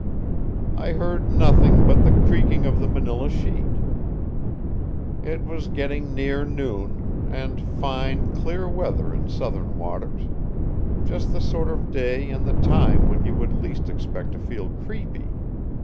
I heard nothing but the creaking of the manilla sheet. It was getting near noon, and fine, clear weather in southern waters, just the sort of day and the time when you would least expect to feel creepy.